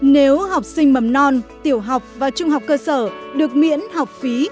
nếu học sinh mầm non tiểu học và trung học cơ sở được miễn học phí